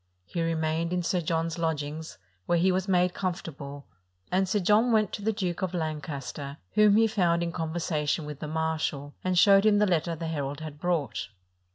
He remained in Sir John's lodgings, where he was made comfortable; and Sir John went to the Duke of Lancaster, whom he found in conversation with the marshal, and showed him the letter the herald had brought.